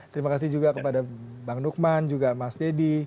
terima kasih juga kepada bang nukman juga mas deddy